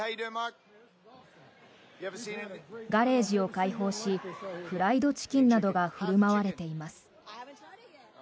ガレージを開放しフライドチキンなどが振る舞われています。